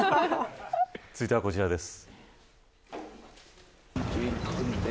続いてはこちらです。